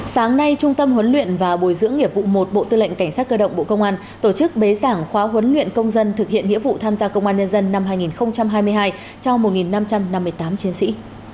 sáng nay trung tâm huấn luyện và bồi dưỡng nghiệp vụ một bộ tư lệnh cảnh sát cơ động bộ công an tổ chức bế giảng khóa huấn luyện công dân thực hiện nghĩa vụ tham gia công an nhân dân năm hai nghìn hai mươi hai cho một năm trăm năm mươi tám chiến sĩ